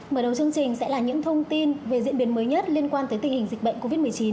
mở đầu chương trình sẽ là những thông tin về diễn biến mới nhất liên quan tới tình hình dịch bệnh covid một mươi chín